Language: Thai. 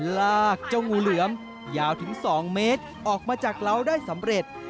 ลากเจ้างูเหลือมยาวถึง๒เมตรออกมาจากเล้าได้สำเร็จ